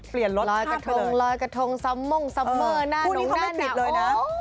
เปลี่ยนรสชาติไปเลยรอยกระทงรอยกระทงซ้ำม่งซ้ำเมอร์หน้าหนูหน้าหนาโอ้ย